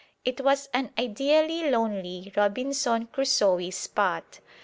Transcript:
It was an ideally lonely Robinson Crusoey spot.